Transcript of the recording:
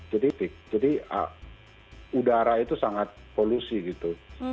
jadi udara itu sangat polusi gitu